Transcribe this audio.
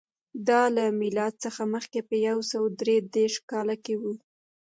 دا له میلاد څخه مخکې په یو سوه درې دېرش کال کې و